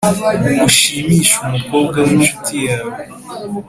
ushimishe umukobwa w’inshuti yawe??